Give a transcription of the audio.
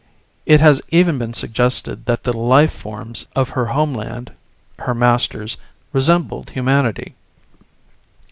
It has even been suggested that the life forms of her homeland her masters resembled humanity.